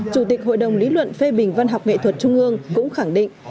chủ tịch hội đồng lý luận phê bình văn học nghệ thuật trung ương cũng khẳng định